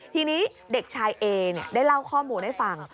ทีนี้เด็กชายเอได้เล่าข้อมูลให้ฟัง